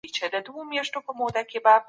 ټولنیز فکر له کنت څخه مخکي هم و.